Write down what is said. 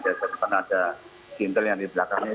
di depan ada jintel yang di belakangnya